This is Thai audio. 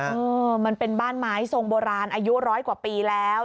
เออมันเป็นบ้านไม้ทรงโบราณอายุร้อยกว่าปีแล้ว